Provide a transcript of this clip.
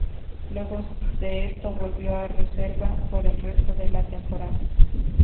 Luego de esto volvió a reserva por el resto de la temporada.